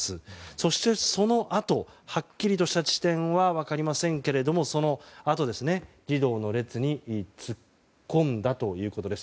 そして、そのあとはっきりとした地点は分かりませんけれどもそのあと、児童の列に突っ込んだということです。